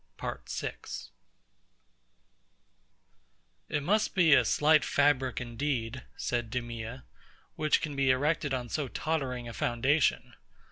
PART 6 It must be a slight fabric, indeed, said DEMEA, which can be erected on so tottering a foundation.